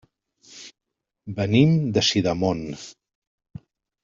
Venim de Sidamon.